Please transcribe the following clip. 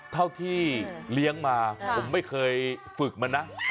เท่าที่เลี้ยงมาผมไม่เคยฝึกมันนะ